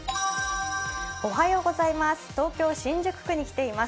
東京・新宿区に来ています。